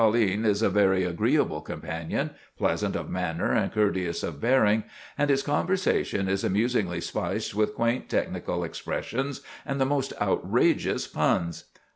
For the rest, Colline is a very agreeable companion, pleasant of manner, and courteous of bearing; and his conversation is amusingly spiced with quaint technical expressions and the most outrageous puns.